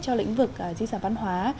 cho lĩnh vực di sản văn hóa